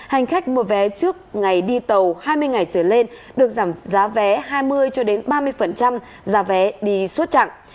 hành khách mua vé trước ngày đi tàu hai mươi ngày trở lên được giảm giá vé hai mươi cho đến ba mươi giá vé đi suốt trạng